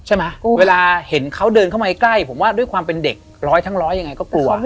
เวลาเห็นเขาเดินเข้ามาใกล้ผมว่าด้วยความเป็นเด็กร้อยทั้งร้อยยังไงก็กลัว